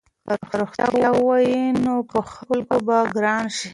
که رښتیا ووایې نو په خلکو کې به ګران شې.